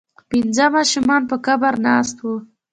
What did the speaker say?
پنځه ماشومان په قبر ناست وو.